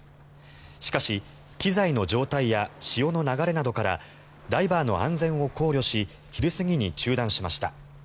しかし、機材の状態や潮の流れなどからダイバーの安全を考慮し昼過ぎに中断しました。